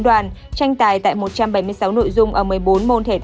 tranh tài tại một trăm bảy mươi sáu nội dung ở một mươi bốn nội dung